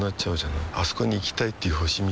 あそこに行きたいっていう星みたいなもんでさ